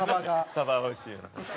サバおいしいね。